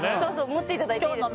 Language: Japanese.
持っていただいていいですか？